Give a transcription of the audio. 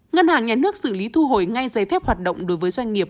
ngân hàng nhà nước xử lý thu hồi ngay giấy phép hoạt động đối với doanh nghiệp